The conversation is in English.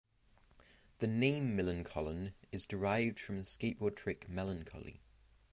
The name Millencolin is derived from the skateboard trick "melancholy".